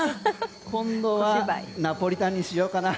今度はナポリタンにしようかな。